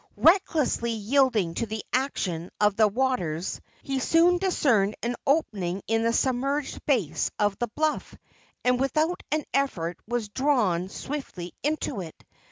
Recklessly yielding to the action of the waters, he soon discerned an opening in the submerged base of the bluff, and without an effort was drawn swiftly into it.